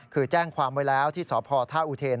คือแจ้งความไว้แล้วที่สพท่าอุเทน